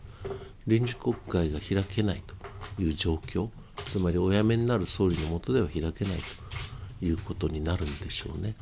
臨時国会が開けないという状況、つまりお辞めになる総理の下では開けないということになるんでしょうね。